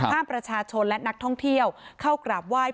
ห้ามประชาชนและนักท่องเที่ยวเข้ากราบไหว้